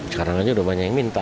sekarang aja udah banyak yang minta